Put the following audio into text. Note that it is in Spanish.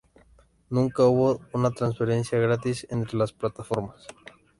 Nunca hubo una transferencia gratis entre las plataformas.